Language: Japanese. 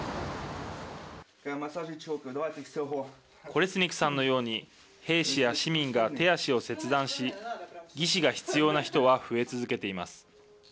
コレスニクさんのように兵士や市民が手足を切断し、義肢が必要な人は増え続けています。